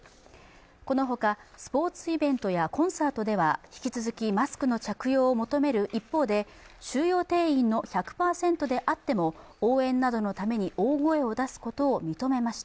このほか、スポーツイベントやコンサートでは引き続きマスクの着用を求める一方で、収容定員の１００％であっても、応援などのために大声を出すことを認めました。